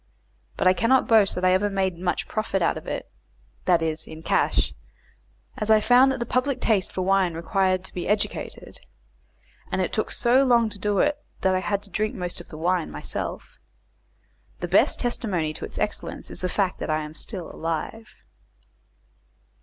But I cannot boast that I ever made much profit out of it that is, in cash as I found that the public taste for wine required to be educated, and it took so long to do it that I had to drink most of the wine myself. The best testimony to its excellence is the fact that I am still alive.